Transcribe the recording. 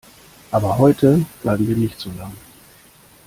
Aber heute bleiben wir nicht so lang.